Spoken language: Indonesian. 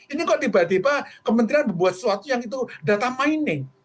ini kok tiba tiba kementerian membuat sesuatu yang itu data mining